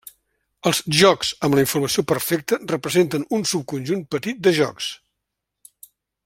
Els jocs amb la informació perfecta representen un subconjunt petit de jocs.